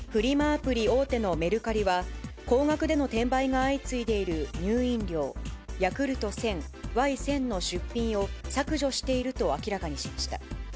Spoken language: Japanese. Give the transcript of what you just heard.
アプリ大手のメルカリは、高額での転売が相次いでいる乳飲料、Ｙａｋｕｌｔ１０００、Ｙ１０００の出品を削除していると明らかにしました。